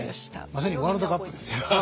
まさにワールドカップですよ。